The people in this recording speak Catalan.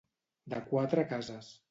De quatre cases.